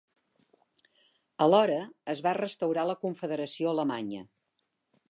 Alhora, es va restaurar la Confederació alemanya.